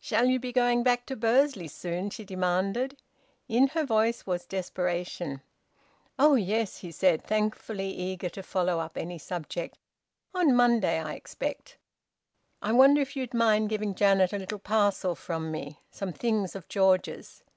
"Shall you be going back to Bursley soon?" she demanded. In her voice was desperation. "Oh yes!" he said, thankfully eager to follow up any subject. "On Monday, I expect." "I wonder if you'd mind giving Janet a little parcel from me some things of George's?